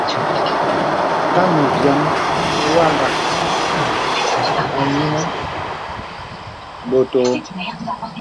Kan mvìəŋ wàghà ayìnə bɔ̄t ōō.